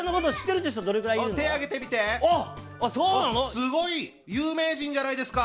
すごい有名人じゃないですか。